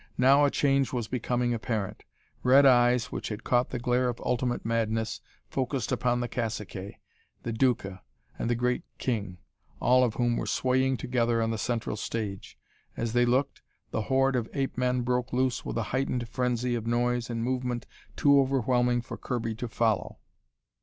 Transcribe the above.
Now a change was becoming apparent. Red eyes which had caught the glare of ultimate madness, focused upon the caciques, the Duca, and the great king, all of whom were swaying together on the central stage. As they looked, the horde of ape men broke loose with a heightened frenzy of noise and movement too overwhelming for Kirby to follow.